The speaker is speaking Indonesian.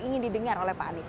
ingin didengar oleh pak anies